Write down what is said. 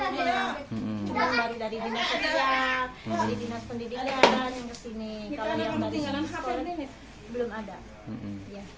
kalau yang dari psikologi belum ada